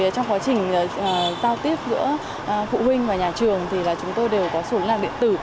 trong quá trình giao tiếp giữa phụ huynh và nhà trường chúng tôi đều có số liên lạc điện tử